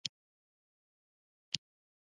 آزاد تجارت مهم دی ځکه چې ناروغۍ کموي.